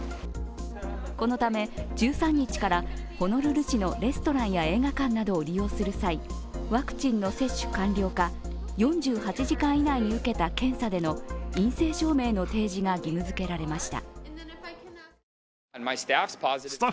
このため１３日からホノルル市のレストランや映画館を利用する際、ワクチンの接種完了か４８時間以内に受けた検査での陰性証明の提示が義務付けられました。